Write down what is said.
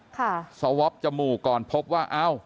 ค่ะสวับจมูกก่อนพบว่าเอ้า